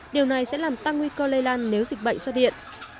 điều này sẽ làm tăng nguy cơ lây lan nếu dịch bệnh xuất hiện